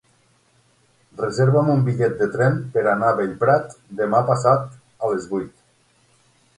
Reserva'm un bitllet de tren per anar a Bellprat demà passat a les vuit.